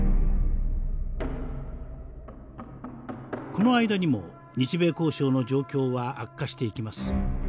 この間にも日米交渉の状況は悪化していきます。